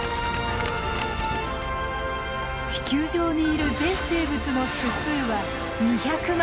地球上にいる全生物の種数は２００万余り。